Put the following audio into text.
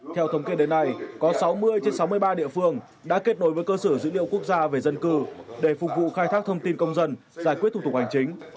theo thống kê đến nay có sáu mươi trên sáu mươi ba địa phương đã kết nối với cơ sở dữ liệu quốc gia về dân cư để phục vụ khai thác thông tin công dân giải quyết thủ tục hành chính